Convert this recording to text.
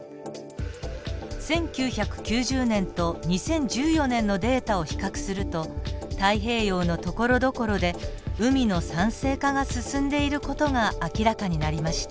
１９９０年と２０１４年のデータを比較すると太平洋のところどころで海の酸性化が進んでいる事が明らかになりました。